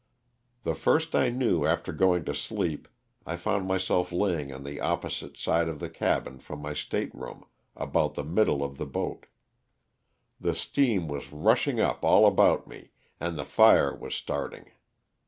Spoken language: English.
The first I knew after going to sleep I found myself laying on the opposite side of the cabin from my stateroom, about the middle of the boat. The steam was rushing up all about me and the fire was starting.